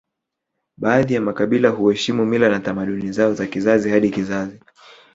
Baadhi ya makabila huheshimu mila na tamaduni zao za kizazi hadi kizazi